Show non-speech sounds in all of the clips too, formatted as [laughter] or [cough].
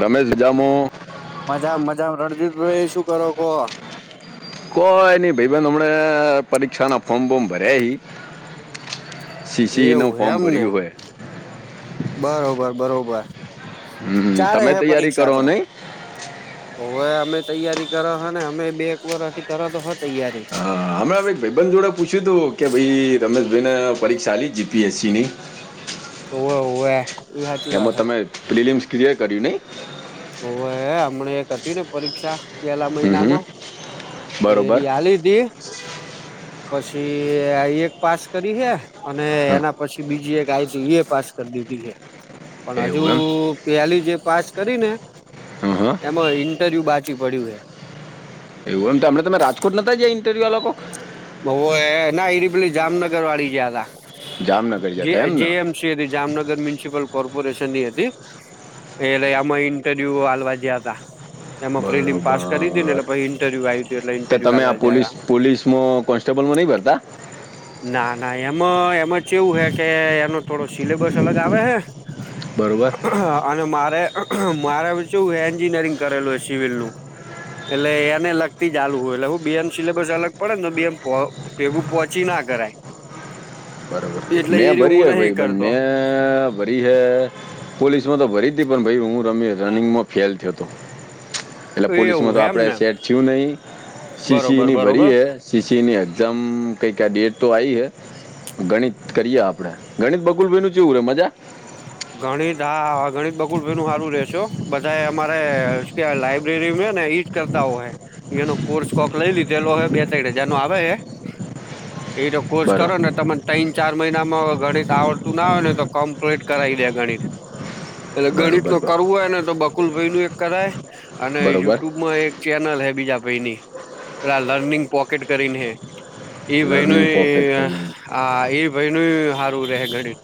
રમેશ જામો મજા મજા રણજીતભાઈ શું કરો કો કોઈ નઈ ભાઈ બેન હમણા પરીક્ષા ના ફોર્મ બોમ ભર્યા. શીશી નો એવું ફોમ એમ ને ભર્યું હોય બરોબર બરોબર હમ, ચારે તમે હે તૈયારી પરીક્ષા કરો તો નહીં તોવે અમે તૈયારી કર હ ને અમે બે એક વારથી કર તો હ તૈયારી હ અમેમે એક ભાઈબંધ જોડે પૂછ્યું હતું કે ભાઈ રમેશભાઈને પરીક્ષા આલી જીપીએસસી ની ઓવે હોવે સાચી વાત એમાં હે તમે ફિલમ્સ ક્રિયર કર્યું ન‌ઈ ઓ હ હમણા એક હતી ને પરીક્ષા પેલા હમ, હમ, મહિનામાં તો બરોબર એરી આલી તી પછી એ આઇ એક પાસ કરી હ અને હમ, એના પછી બીજી એક આ તો એ પાસ કરી દીધી ગયા પણ હજુ એવું એમ પેલી જે પાસ કરી ને હમ, હમ, એમાં ઇન્ટરવ્યુ બાચી પડ્યું હ એવું એમમને તમે રાજકોટ નોતા ગયા ઇન્ટરવ્યૂ આ લોકો હ ના એ પેલી જામનગર વાળી જયા હતા જામનગર જે જતા એમ ને જેમ છે હતી જામનગર મ્યુનિસિપલ કોર્પોરેશન ની હતી. એટલે આમાં ઈન્ટરવ્યુ આલવા ગયા તા એમાં પ્રિલીમ પાસ કરી થી ને બરોબર એટલે પછી ઇન્ટરવ્યુ આવી તુ એટલે તો ઇન્ટરવ્યુ તમે આ આવવા ગયા તા પોલીસ મો ટટેબલમાં ન‌ઈ ભરતા ના ના એમાં એમાં ચેવું હે કે એનો થોડો સિલેબસ અલગ આવે હે બરોબર અને મારે મારે શું એન્જિનિયરિંગ કરેલું હ સિવિલનું. એટલે એને લગતી ચાલુ હોય એટલે હું બ બે એમ સિલેબસ અલગ પડેને બે એમ ભેગું પહોંચી ના કરાય બરોબર એટલે મેં એ રહ્યું ભરી હું હૈ નહી ભાઈ બન કરતો મેં ભરી હૈ પોલીસમાં તો ભરી તી પણ ભાઈ હું રમી રનિંગમાં ફેલ થયો તો એટલે પોલીસમાં એવું હે તો આપડે એમને સેટ થયું નહી બરોબર સીસીની બરોબર ભરીએે. એ સીસી ની એક્ઝામ કઈ ક ડેટ તો આઈ હૈ ગણિત કરીએ આપડે ગણિત બકુલ ભાઈ નું કેવું રે મજા ગણિત હા હા ગણિત બકુલ ભાઈનું હારું રેસે હો બધાયે અમારે સુ કેવાય લાઈબ્રેરી ને ઈ કરતા હો હય એનો કોર્સ કોક લઈ લીધેલો હોય બે ત્રીર હજાર નો આવે હ એ જો કોર્સ બરોબર કરો ને તમને ત્રન ચાર મહિનામાં ગણિત આવડતું ના હોય ને તો કમ્પ્લીટ કરાવી દે ગણિત એટલે ગણિત બરોબર ન બ- કરવું હોય ને તો બકુલ ભાઈ નું એક કરાય અને બરોબર યુટ્યુબમાં એક ચેનલ હે બીજા ભાઈની પેલા લર્નિંગ પોકેટ કરીને હે એ ભાઈ ન લર્નિંગ પોકેટ કરીને આ એ ભાઈ નય સારું રહેે ઘડી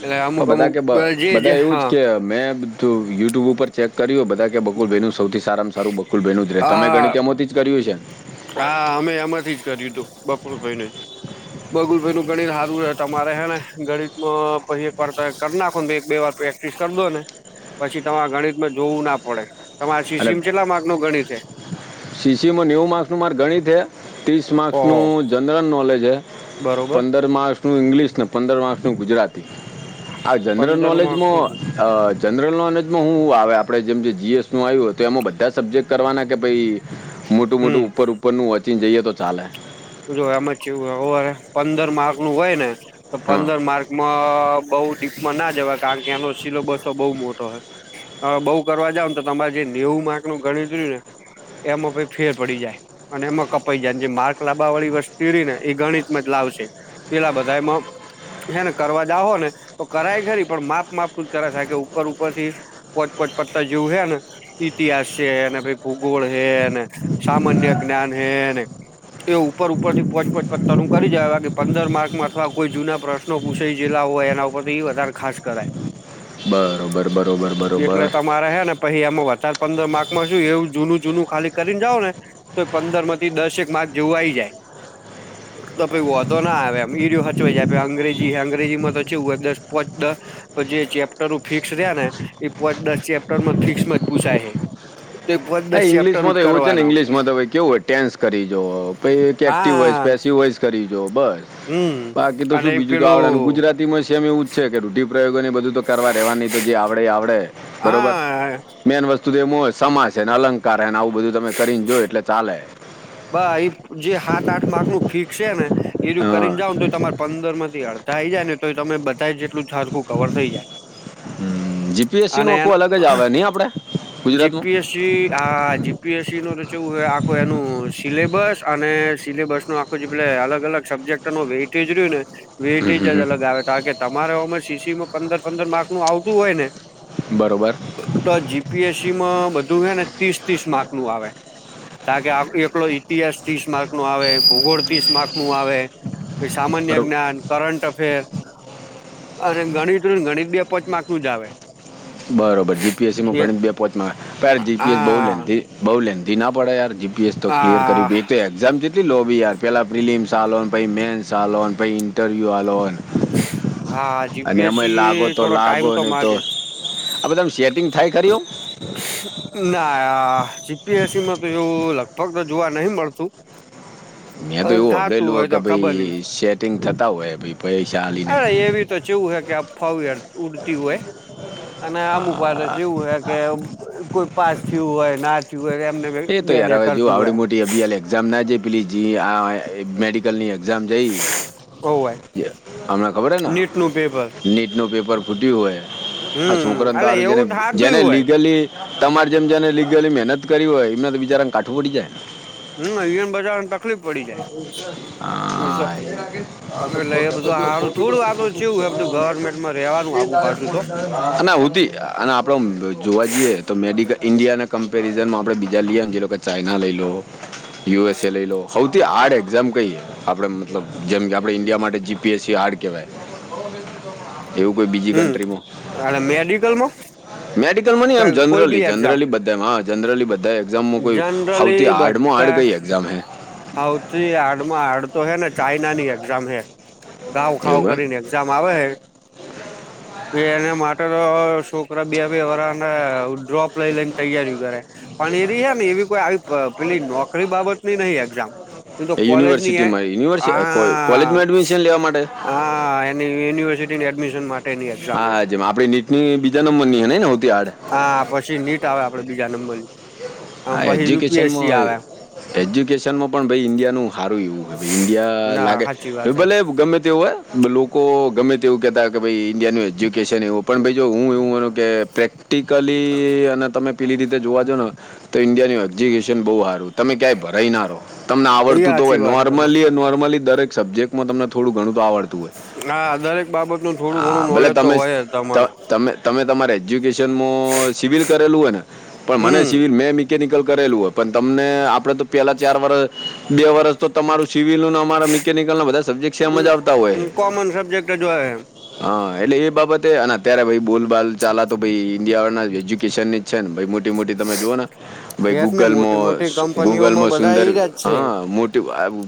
એટલે પણ અમુક બધા અમુક કે બ જે જે બધા એવું જ હા કે મેં બું યુટ્યુબ ઉપર ચેક કર્યું બધા કે બકુલ ભાઈ ન સૌથી સારા સારું બકુલ બનું જ રે તમે હા ગણી તેમાંથી જ કર્યું છે હા અમે એમાંથી જ કર્યું હતું બપોરભાઈને બગુલ ભાઈ નું ગણિત હારુ હે તમારે હે ને ગણિતમાં પહીં એક વાર કરી નાખો એક બે વાર [unintelligible] ને પછી તમારે ગણિતમાં જોવું ના પડે તમારા અને સીસીમ કેટલા માર્ગ નું ગણિત છે સીસીમાં નેવું માર્ક્સનું મારુ ગણિત હે ત્રીસ ઓહો માર્ક્સનું જનરલ નોલેજ હે બરોબર પંદર માર્સ નું ઇંગ્લિશ ને પંદર માર્સનું ગુજરાત આ જનરલ પંદર માર્ક નોલેજમો અ જનરલ નોલેજમાં હું આવે આપડે જેમ જે જીએસનું આવ્યું હોય તો એમાં બધા સબ્જેક્ટ કરવાના કે પહી મોટું મોટું હમ ઉપર ઉપર નું વચીન જઈએ તો ચાલે જો એમાં કેવું પંદર માર્ક નું હોય ને તો હા પંદર માર્કમાં બઉુ ડીપમાં ના જવાય કારણ કે એનો સિલોબસો બઉ મોટો હોય હ બઉ કરવા જાવને તો તમારે જે નેવું માર્ક નું ગણરું ને એમાં પહી ફેર પડી જાય અને એમાં કપાઈ જાય જે માર્ લબા વાળી વસતી ખરી ને એ ગણિતમાં જ લાવશે પેલા બધા એમાં હે ને કરવા જાવો ને તો કરાય ખરી પણ માપ માપ જ કરાય કે ઉપર ઉપર થી પોટ પોટ પડતા જેવું હે ને ઇતિહાસ છે અને ભાઈ ભૂગોળ હે ને સામાન્ય જ્ઞાન હે ને એ ઉપર ઉપરથી પહોંચ પહંચ પથરું કરી જાયવા કે પંદર માર્કમાં અથવા કોઈ જૂના પ્રશ્ન નો પૂસે જેલા હોય એના ઉપર તો એ વધારે ખાસ કરાય બરોબર બરોબર બરોબર એટલે તમારે હે ને પહી એમાં વધારે પંદર માર્કમાં શું એવું જૂનું જૂનું ખાલી કરીને જાાવ ને તો પંદર માંથી દસેક માર્ક જોવાઈ જાય તો પહી વધો ના આવે એમ ઈડિયો હચવાઈ જાય અંગ્રેજી અંગ્રેજીમાં તો છેવું હો દસ પોચ દસ તો જે ચેપ્ટરનું ફિક્સ રે ને એ પોચ દસ ચેપ્ટરમાં ફિક્સમા જ પૂસાય હે તો આ દસ ચેપ્ટર ઇંગ્લિશમાં જ તો એવું છે ને કરવાનો ઇંગ્લિશમાં તો ભાઈ કેવું હોય ટેન્સ કરી જો પહીં એક એક્ટિવ વોઇસ હા પેસિવ વોઇસ કરી જોઓ બસ હમ બાકી તો અને શું એક બીજું તો આવડેને પેલું ગુજરાતી માં સેમ એવું જ છે કે રૂઢિપ્રયોગ ને બધું તો કરવા રહેેવાની તો જે આવડે આવડે બરોબર હા મેન વસ્તુ તો એમ હોય સમાસ એને અલંકાર એને આવું બધું તમે કરીને જો એટલે ચાલે બ એ જે સાાત આઠ માક નું ફિકસ છે ને એજ હા, કરીને જાવ ને તો તમાર પંદર માંથી અડધા આઈ જાય ને તો તમે બધા જ જેટલું છડખું કવર થઈ જાય જીપીએસસી નું અને આખું અલગ જ આવે નહીં આપણે જી ગુજરાતમાં પી એસ છી હા જીપીએસસી નો તો ચવું હોય આખુ એનું સિલેબસ અને સિલેબસ નો આખું જે પેલે અલગ અલગ સબ્જેક્ટ નો વેઇટેજ રહ્યું ને વેટ હમ જ હમ. અલગ આવે કારણ કે તમારે ઓ સીસીમાં પંદર પંદર માર્ક નું આવતું હોય ને બરોબર તો જી પી એસ સી માં બધું હે ને તતીસ તીસ માર્ક નું આવે કારણ કે આ [unintelligible] ઈતિહાસ તીસ માર્ક નો આવે ભૂગોળ તતીસ માર્ક નું આવે કે સામાન્ય બરોબર જ્ઞાન કરંટ અફેર અને ગણીત હોય ગણિત બે પાંચમાર્ક નું જ આવે બરોબર જી પી એસ સી માં એ ઘણી જ બે પોચમાં તારે જી પી એસ બહુ આ લેંથી થી બહુ લેંથી ના પડે યાર જી પી એસ તો ક્લિયર આ કરી બે તો એક્ઝામ કેટલી લોબી યાર પેલાં ફિલિમ્સ આલો ન પહી મેન્સો આલો મ પહી ઇન્ટરવ્યુ આલો હા અને એમાય લાગો જીપીએસસી તો થોડો ટાઈમ લાગો નહી તો માગે આપ તમ સેટિંગ થાય કર્યું ના જીપીએસસીમાં તો એવું લગભગ તો જોવા નહીં મળતું મેં તો પણ એવું થતું હોય હંભળેલું કે તો ખબર નઈ ભાઈ સેટિંગ થતા હોય પૈસાલી અરે એવી તો ચવું હે કે અફાવ ઉડતી હોય અને અમુક વાતો છે એવું હો કે કોઈ પાસ થયું હોય ના ય એમને બે એ તો યાર બેે હવે જો કરતું હોય આવડી એક્ઝામ ના જાય પ્લી આ મેડિકલ ની એક્ઝામ જઈ હોવ હોય અમને ખબર હ ને નીટ નું પેપર નીટનું પેપર ફૂટ્યું હોય આ હમ છોકરા એટલે તારું જેને એવું થાતું જેને હોય લીગલી તમારે જેમ જેને લીગલી મહેનત કરી હોય એમને તો બિચારાને કાઠું પડી જાય હમ એન બજા ઉા [unintelligible] [unintelligible] એટલે એ બધું સારું થોડું આ તો જેવું બધું ગવર્મેન્ટમાં રેવાનું આગુ પાછું તો હતી અને આપડો જોવા જઈએ તો મેડિકલ ઇન્ડિયા ના કમ્પેરિઝન માં આપડે બીજા લમ જે લોકો ચાના લઈ લો યુ એસ એ લઈ લો સૌથી આર્ડ એક્ઝામ કહીએ આપણે મતલબ જેમ કે આપણે ઇન્ડિયા માટે જીપીએસસી આાર્ડ કહેવાય [inaudible] એવું કોઈ બીજી હમ કન્ટમાં અને મેડિકલમાં મેડિકલ ન એમ કોઈ બી જનરલી એક્ઝામ જનરલી બ હ જનરલી બધા એક્ઝામમાં કોઈ સૌથી જનરલી હાડમ હડ ગઈ એક્ઝામ હે હા હડમાં હાડ તો હે ને ચાઈના ની એક્ઝામ હે ગઉ ખાવ એવું એમ કરી ને જામ આવે હ એ એના માટે તો શું પરા બે બે વરાને ડ્રોપ લઈ લઈને તૈયારી કરે પણ એ ને એવી કોઈ આવી પેલી નોકરી બાબત ની નહી એક્ઝામ એ તો કોલેજની હ યુનિવર્સિટીમાં યુનિવર્સિટી કોલેજમાં એડમિશન લેવા માટે હા એની યુનિવર્સિટીની એડમિશન માટેની એક્ઝામ જે આપણી નીટની બીજા નંબર ની હ ને આવતી આડ હા પછી નીટ આવે આપડે બીજા નંબર આ હા પછી યુપીએસસી એજ્યુકેશનમાં આવે એજ્યુકેશનમાં પણ ભાઈ ઇન્ડિયાનું સારું એવું ઇન્ડિયા ના લાગે સાચી વાત હે ભલે ગમે તેવું હો લોકો ગમે તે એવું કેતા કે ભ અનું એજ્યુકેશન એું પણ ભાઈ જો હું એવું કે પ્રેક્ટિકલી અને તમે પેલી રીતે જોવા જો ને તો ઇન્ડિયાનું એક્ઝિક્યુશન બહુ સારું તમે ક્યાંય ભરાઈ ના રહો તમને એ આવડતું તો હોય સાચી વાત હે તમારી નોર્મલી નોર્મલી દરેક સબ્જેક્ટમાં તમને થોડું ઘણું આવડશે હા દરેક બાબત નું થોડું ઘણું ભલે નોલેજ તો તમે હોય તમારે ત- તમે તમે તમારે એજ્યુકેશનમાં સિવિલ કરેલું હોય ને પણ મને હમ સિવિલ મેં બી નિકલ કરેલું હોય પણ તમને આપડે તો પેલા ચાર વર્ષ બે વરષ તમારું સિવિલ અરા મિકેનિકલ ના બધા સબ્જેક્ટ છે એમજ આવતા હોય કોમન સબ્જેક્ટ જ હોય હા એટલે એ બાબતે અને અત્યારે ભાઈ બોલબાલ ચાલાતો ભાઈ ઇન્ડિયા એજ્યુકેશન ની જ છે ને ભ મો મો મોટી તમે જોઓ ને છે જ ને મોટી ગૂગલમાં મોટી કંપનીઓમાં ગૂગલમાં બધા સુંદર એઈરા જ હ છે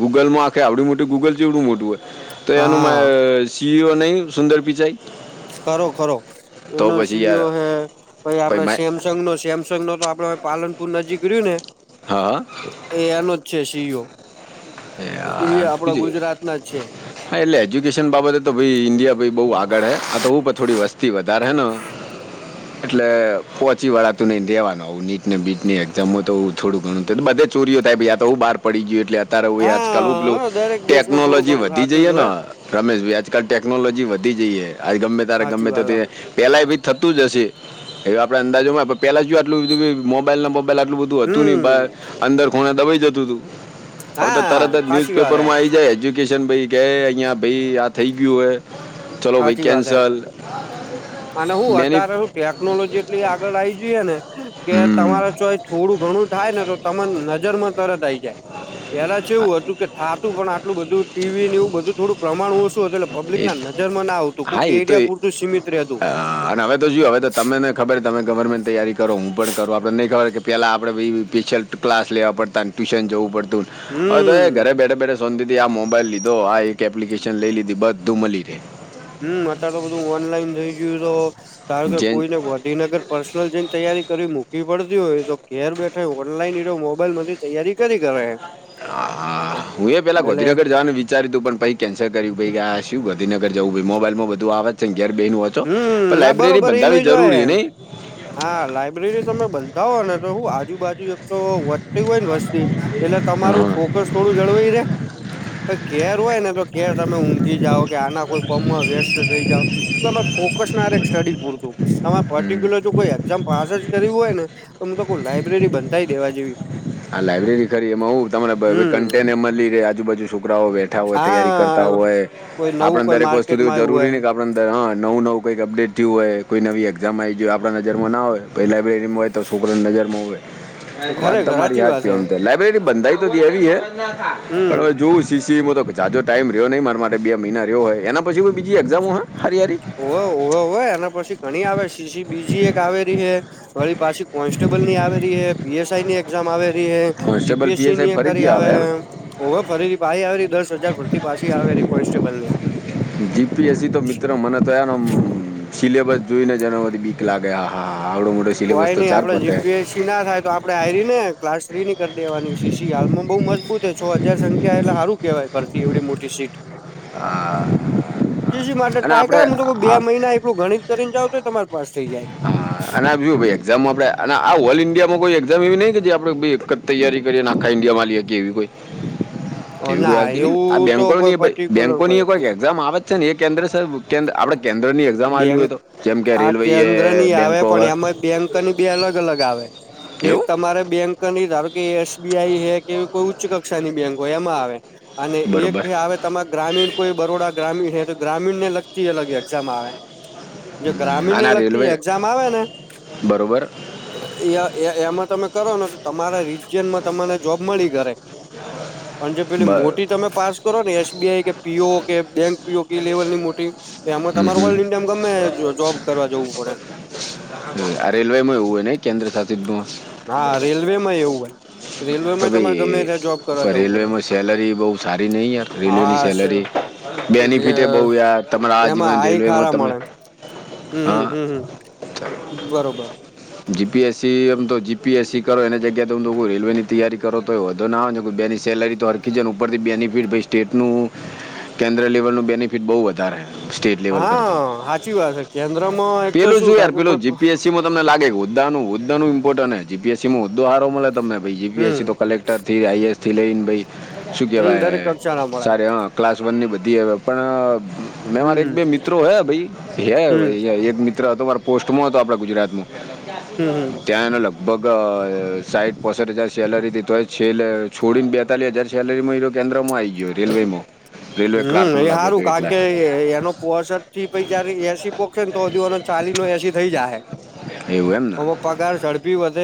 ગૂગલમાં આખે આવડ મોટ ગૂગલ જેવડું મોટું હોય તો એનું હા સીઓ નહી સુંદર પિચાઈ ખરો ખરો તો એનો પછી યાર સીઓ હે પાઈ ભાઈ આપડે માય સેમસંગ નો સેમ પ્રસો તો આપડે પાલનપુર નજીક રહ્યું ને હા હા એ એનો જ છે સીઓ એ યાર આપડા બીજું ગુજરાત ના જ છે હા એટલે એજ્યુકેશન બાબતે તો ભ ઇન્ડિયા ભ બઉુ આગળ હ આ તો હું પણ થોડી વસ્તી વધારે રહેનો એટલે પોહોચી વાળા તું નને રેવાનું નીટ ને બીટની એક્ઝામ તો થોડું ઘણું તો બધે ચોઓ થાય યા તો હું બહાર પડી ગય એટલે ત્યારે હોય આજકાલ પેલું હા દરેક દેશમાં થોડું ટેકનોલોજી ઘણું વધી થતું જ જઈએે ને હોય રમેશ ભાઈ આજકાલ ટેકનોલોજી વધી જઈ ય આજ ગમે ત્યારે સાચી ગમે તે વાત પેલા બી થતું જ હશે એવા આપણે અંદાજોમાં પેલા જો આટલુ બધું મોબાઈલ ને મોબાઈલ આટુલુ બધું હતું નહિ હમ બાર અંદર ખોણા દબાઈ જતું હતું હવે તો હા તરત જ સાચી વાત હે ન્યૂઝપેપરમાં આવી જાય એજ્યુકેશન ભાઈ કે અહિંયા ભાઈ આ થઈ ગયું હે. ચલો ભઈ સાચી વાત હે કેન્સલ. અને હું મેની અત્યારે શું ટેકનોલોજી એટલી આગળ આઈ જઈએે ને કે હમ તમારા ચોઈસ થોડું ઘણું થાય ને તો તમન નજર માં તરત આઈ જાય. પેલા ચેવુ હતું કે થાતું પણ આટલું બધું ટીવી ને એવું બધું થોડુંક પ્રમાણ ઓછુ હતું એટલે પબ્લિક એ ના તો- નજરમાં ના આવતું કોઈક એ તો એરિયા એ- પૂરતું જ સીમિત રેહતું. અ, હા અને હવે તો જુવો હવે તો તમને ખબર તમે ગવર્મેન્ટ તૈયારી કરો, હું પણ કરું આપડને નહી ખબર કે પહેલાં આપણે ભઈ સ્પેશિયલ ક્લાસ લેવા પડતા ને ટ્યુશન જવું પડતું ન હવે તો એ હમ ઘરે બેઠા બેઠા શોંતીથી આ મોબાઈલ લીધો આ એક એપ્લિકેશન લઈ લીધી બધ તો મલી રેહ. હમ્મ, અતાર તો બધું ઓનલાઈન થઈ ગયું તો ધારો કે જેન કોઈને ગોંધીનગર પર્સનલ જઈને તૈયારી કરવી મુંધી પડતી હોય તો ઘેર બેઠા ય ઓનલાઈન એ રહ્યો મોબાઈલ માથી તૈયારી કરી કરાય. હા હા હું એ પેલા ગોંધીનગર જવાનું વિ વિચાર્યું હતુ પણ પહી કેન્સલ કર્યું પહી આ શ્યું ગોંધીનગર જવું ભઈ મોબાઈલમાં બધું આવે જ છે ને ઘેર બેહી ન વોંચ તો હમ પણ ના લાયબ્રેરી બરોબર એનું બંધાવી જોય જરૂરી હે એમ નહી. હા લાઈબ્રેરી તમે બંધાવો ને તો હુ આજુબાજુ એક તો વધતી હોય ને વસ્તી એટલે તમારું હા ફોકસ થોડું જળવાઈ રેહ, ધેર હોય ને ઘેર તમે ઉંઘી જાઓ કે આના કોઈ કોમમાં વ્યસ્ત થઈ જાવ. તમારે ફોકસ ના રેહ સ્ટડી પૂરતું તમારે હમ. પર્ટિક્યુલર જો કોઈ એક્ઝામ પાસ જ કરવી હોય ને અમ તો કઉં લાઈબ્રેરી બંધાઈ દેવા જેવી આ લાયબ્રેરી કરી એમાં હું તમને હમ કન્ટેન એ મલી રહેે આજુબાજુ છોકરાઓ બેઠ ઠા હોય તૈયારી કરતા હા હોય કોઈ નવું આપણે કોઈ દરેક વસ્તુ માર્કેટમાં આવ્યું જરૂરી હોય એમ. નહિ હા નવું નવું કઈ અપડેટ થયું હોય કોઈ નવી એક્ઝામ આવી જઈ આપણા નજરમાં ના હોય પહેલાં બૈરીમાં હોય તો છોકરાને નજરમાં હોય. ખરેખર તમારી હાચી યાદ વાત છે હે આમ તો લાઈબ્રેરી બંધાઈ તો દેવી હે હમ પણ જોઉ સીસી ને બ જાજો ટાઈમ રહ્યો નહી મારા માટે બે મહિના રહ્યો હે. એના પછી કોઈ બીજી એક્ઝામો હે હારી હારી? હોવે હોવે હોવે એના પછી ઘણી આવે સી સી બીજી એક આવે રીહ વળી પાછી કોન્સ્ટેબલ ની આવે રહી હે પી એસ આઈ ની એક્ઝામ આવે રહી હે જી constable P S C PSI ની ઘરી ફરીથી આવે. એમ ઓવે ફરીથી પાહી આવે રહી દસ હજાર ભરતી પાછી આવે રહી કોન્સ્ટેબલની. જી પી એસ સી તો મિત્ર મને તો હેને સિલેબસ જોઈને જ એનામાંથી બીક લાગે આ હા હા હા આવડો મોટો સિલેબસ કોઈ તો નઈ ચાર આપડે પતે. જીપીએસસી ના થાય તો આપડે આયરીને ક્લાસ થ્રી ની કર દેવાની સી સી હાલમાં બહુ મજબૂત હે છ હજાર સંખ્યા એટલે સારું કેહવાય ભરતી એવડી મોટી સીટ. સી સી માટે અને ટ્રાય આપણે કર મુ તો કહુ બે આ હા, મહિના એકલું ગણીત ત કરીને જાઓ તોય તમાર પાસ થઈ જાય. હા અને આ બીજુ ભઈ એક્ઝામ આપડે અને આ ઓલ ઇન્ડિયામાં કોઈ એક્ઝામ એવી નહી કે આપણે ભઈ એક જ તૈયારી કરીએ ને આખા ઇન્ડિયા આલી હકીયે એવી કોઈ? એવી કોઈ ના આવતી નહિ. આ એવું તો બેંકોની કોઈ ય ભઈ પર્ટિક્યુલર બેંકોની ય કોઈ હતું એક્ઝામ આવે છે ને એ કેન્દ્ર સબ આપડે કેન્દ્ર ની એક્ઝામ આલવી બેંક હોય તો જેમ કે આ રેલવે ય કેન્દ્રની આવે પણ એમાં બેંકની બે અલગ અલગ આવે એક એવું તમારે બેંકની ધારો કે એસ બી આઈ ય એવી કોઈ ઉચ્ચ કક્ષાની બેંક હોય એમાં આવે અને એક બરોબર આવે તમાર ગ્રામીણ કોઈ બરોડા ગ્રામીણ હે તો ગ્રામીણ ને લગતી અલગ એક્ઝામ આવે. જો ગ્રામીણ અને ને આ લગતી રેલવે એક્ઝામ આવે ને બરોબર એ એમાં તમે કરો ને તો તમારા રી ને જોબ મળી કરે પણ જે બ પેલી મોટી તમે પાસ કરો ને એસ બી આઈ કે પી ઓ કે બેંક પી ઓ કે લેવલ ની મોટી એમાં હમ તમારે હમ ઓલ ઇન્ડિયામાં ગમે જોબ કરવા જવું પડે. હમ્મ, આ રેલવે એવું હોય ને કેન્દ્ર શાસિતમાં? હા રેલ્વે માં એવું હો. કે ભાઈ પણ જવું પડે રેલવેમાં સેલરી બહુ સારી નહીં યાર રેલવેની હા સે સેલરી બેનિફિટે એ બહુ યાર તમારા આ એમાં જીવન આઈ રેલવેમાં ખારા તમે મળે હમમ હા હમ બરોબર. જીપીએસસી એમ તો જીપીએસસી કરો એ જ્યાએ હમ તો કોઈ રેલવેની તૈયારી કરો તો એ વધો ના હો ને કોઈ બેની સેલરી તો હરકીજન ઉપરથી બેનિફિટ સ્ટેટનું કેન્દ્ર લેવલનું બેનિફિટ બહુ વધારે. સ્ટેટ લેવલ કરતી હા સાચી વાત છે કેન્દ્રમાં એક તો શું થાય કે કોઈ તમ લાગે હુદા હુદા ઈપોટન હે જીએસીમાં હોદો હારો મળે તમને ભ હમ જીએસસી તો કલેક્ટ આઈએએસ લઈ ભાઈ શું હમ દરેક કેવા કક્ષાના મળે સર હ ક્લાસ વન ની બધી હ પણ મેં હમ મારે એક હમ બે મિત્રો હે ભાઈ હમ હે મિત્ર હતો મારા પોસ્ટમાં હતો આપડા ગુજરાતમાં. હમ ત્યાં એનો લગભગ સાઈઠ પોસઠ હજાર સેલરી હતી તો છેલ્લે છોડીને બે [unintelligible] હજાર સેલેરી મહિરો કેન્દ્રમાં આવી ગયો. રેલવેમાં રેલવે હમ એ ક્લાર્કમાં લાગ્યો સારું હતો કારણ એટલે કે એનો કોસ જ થી પછી જારે એસી પોખે ને તો એનો ચાલી નો એસી થઈ જ એવું એમ ને હ પગાર ઝડપી વધે